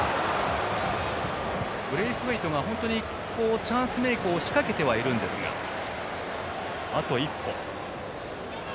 ブレイスウェイトがチャンスメイクしかけてはいるんですがあと一歩。